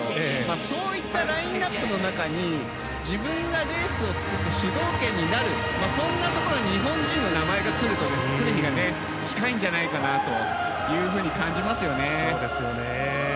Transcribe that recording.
そういったラインアップの中に自分がレースを作って主導権になるというところに日本人の名前が来る日が近いんじゃないかと感じますよね。